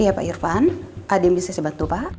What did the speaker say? iya pak irfan ada yang bisa saya bantu pak